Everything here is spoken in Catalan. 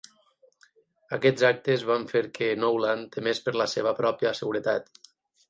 Aquests actes van fer que Knowland temés per la seva pròpia seguretat.